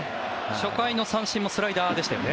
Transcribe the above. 初回の三振もスライダーでしたよね。